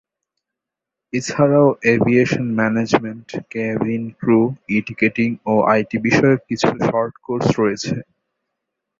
এছাড়াও aviation management, cabin crew, e ticketing ও IT বিষয়ক কিছু শর্ট কোর্স রয়েছে।